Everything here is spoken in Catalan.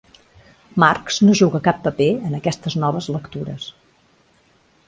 Marx no juga cap paper en aquestes noves lectures.